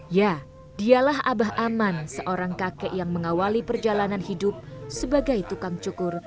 ya dialah abah aman seorang kakek yang mengawali perjalanan hidup sebagai tukang cukur